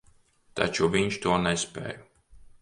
Taču viņš to nespēj.